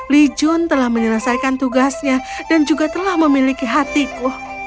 li jun telah menyelesaikan tugasnya dan juga telah memiliki hatiku